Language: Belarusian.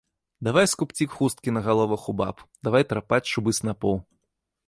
Давай скубці хусткі на галовах у баб, давай трапаць чубы снапоў.